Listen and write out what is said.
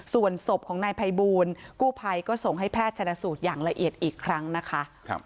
ส่วนศพของนายภัยบูลกู้ภัยก็ส่งให้แพทย์ชนะสูตรอย่างละเอียดอีกครั้งนะคะ